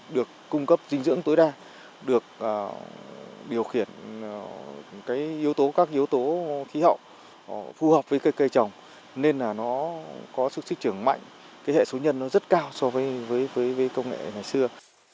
được cung cấp dinh dưỡng tối đa được điều khiển cái yếu tố các yếu tố khí hậu phù hợp với cây trồng nên là nó có sức trưởng mạnh cái hệ số nhân nó rất cao so với công nghệ ngày xưa